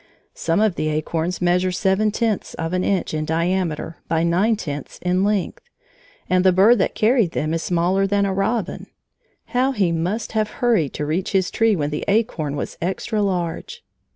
Some of the acorns measure seven tenths of an inch in diameter by nine tenths in length, and the bird that carried them is smaller than a robin. How he must have hurried to reach his tree when the acorn was extra large!